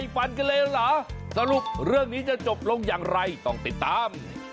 ฟันกันเลยเหรอสรุปเรื่องนี้จะจบลงอย่างไรต้องติดตาม